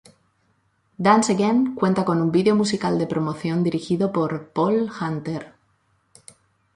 Dance Again cuenta con un video musical de promoción dirigido por Paul Hunter.